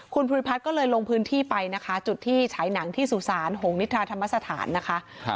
คุณภูริพัฒน์ก็เลยลงพื้นที่ไปนะคะจุดที่ฉายหนังที่สุสานหงนิทราธรรมสถานนะคะ